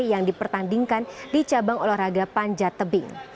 yang dipertandingkan di cabang olahraga panjat tebing